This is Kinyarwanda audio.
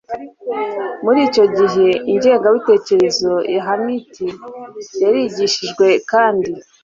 Muri icyo gihe ingengabitekerezo ya hamite yarigishijwe kandi